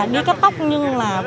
đi cắt tóc nhưng là